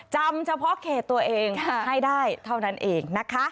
จำเฉพาะเขตตัวเองให้ได้เท่านั้นเองนะคะ